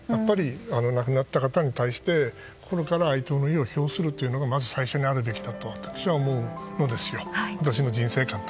亡くなった方に対して心から哀悼の意を表するというのがまず最初にあるべきだと私は思うのですよ。